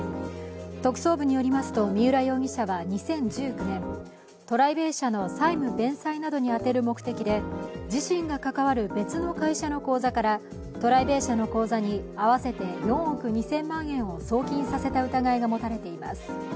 特捜部によりますと、三浦容疑者は２０１９年、トライベイ社の債務弁済などに充てる目的で自身が関わる別の会社の口座からトライベイ社の口座に合わせて４億２０００万円を送金させた疑いが持たれています。